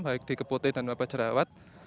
baik di keputih dan bapak jerawat